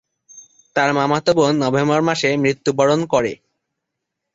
তার মামাতো বোন নভেম্বর মাসে মৃত্যুবরণ করে।